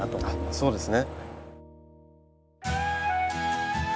そうですね。